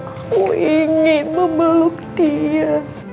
aku ingin memeluk dia